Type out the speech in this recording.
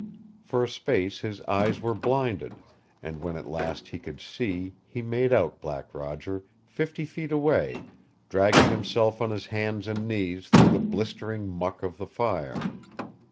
For a space his eyes were blinded, and when at last he could see, he made out Black Roger, fifty feet away, dragging himself on his hands and knees through the blistering muck of the fire.